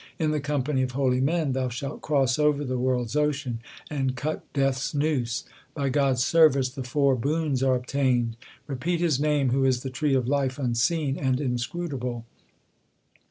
In the company of holy men thou shalt cross over the world s ocean and cut Death s noose. By God s service the four boons l are obtained. Repeat His name who is the Tree of Life unseen and in scrutable.